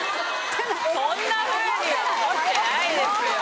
そんなふうには思ってないですよ。